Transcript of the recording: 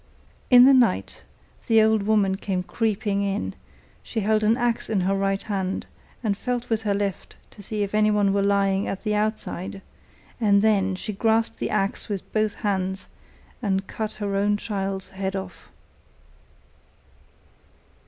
In the night, the old woman came creeping in, she held an axe in her right hand, and felt with her left to see if anyone were lying at the outside, and then she grasped the axe with both hands, and cut her own child's head off.